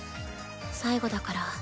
最後だから。